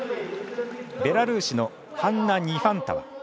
ベラルーシのハンナ・ニファンタワ。